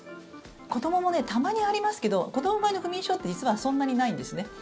子どももたまにありますけど子どもの場合の不眠症って実は、そんなにないんですね。